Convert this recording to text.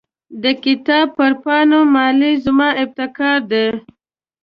د کتاب پر پاڼو مالیه زما ابتکار دی.